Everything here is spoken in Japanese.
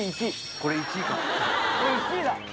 これ、１位だ。